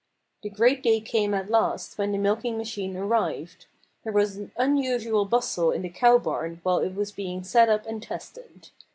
The great day came at last when the milking machine arrived. There was an unusual bustle in the cow barn while it was being set up and tested.